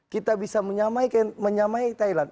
kita bisa menyamai thailand